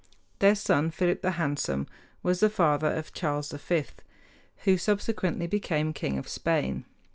Their son, Philip the Handsome, was the father of Charles V, who subsequently became King of Spain.